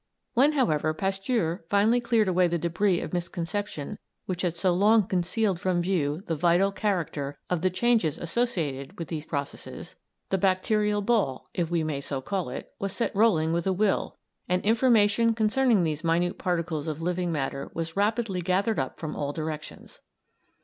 When, however, Pasteur finally cleared away the débris of misconception which had so long concealed from view the vital character of the changes associated with these processes, the bacterial ball, if we may so call it, was set rolling with a will, and information concerning these minute particles of living matter was rapidly gathered up from all directions.